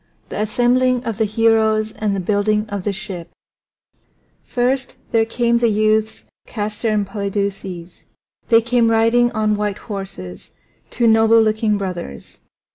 THE ASSEMBLING OF THE HEROES AND THE BUILDING OF THE SHIP First there came the youths Castor and Polydeuces. They came riding on white horses, two noble looking brothers.